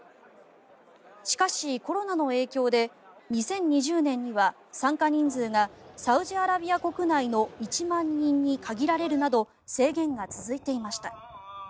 しかし、コロナの影響で２０２０年には参加人数がサウジアラビア国内の１万人に限られるなど制限が続いていました。